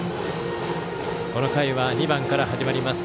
この回は２番から始まります。